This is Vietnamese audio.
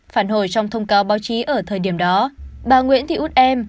phản hồi trong thông cáo báo chí ở thời điểm đó bà nguyễn thị út em